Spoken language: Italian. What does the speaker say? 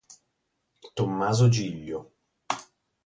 Tommaso Giglio